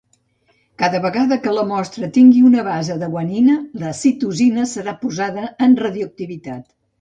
Cada vegada que la mostra tingui una base Guanina, la Citosina serà posada en radioactivitat.